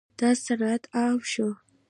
دا صنعت عام شو.